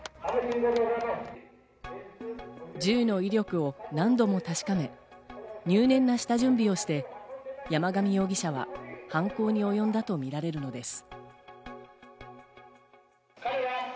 銃の威力を何度も確かめ、入念な下準備をして、山上容疑者は犯行におよんだとみられるのです。